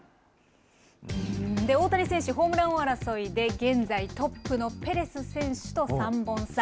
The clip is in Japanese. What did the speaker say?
大谷選手、ホームラン王争いで現在トップのペレス選手と３本差。